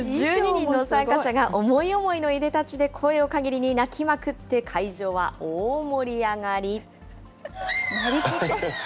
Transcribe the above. １２人の参加者が、思い思いのいでたちで声のかぎりに鳴きまくって、会場は大盛り上がり。